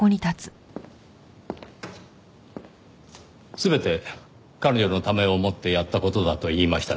全て彼女のためを思ってやった事だと言いましたね。